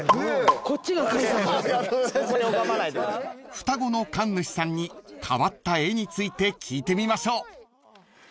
［双子の神主さんに変わった絵について聞いてみましょう］